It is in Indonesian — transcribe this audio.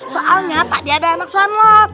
soalnya tadi ada anak sanlat